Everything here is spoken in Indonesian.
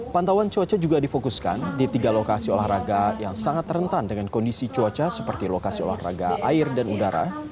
pantauan cuaca juga difokuskan di tiga lokasi olahraga yang sangat rentan dengan kondisi cuaca seperti lokasi olahraga air dan udara